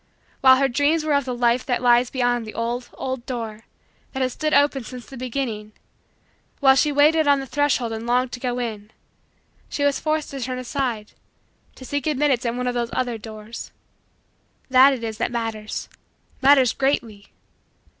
While her dreams were of the life that lies beyond the old, old, door that has stood open since the beginning; while she waited on the threshold and longed to go in; she was forced to turn aside, to seek admittance at one of those other doors. This it is that matters matters greatly.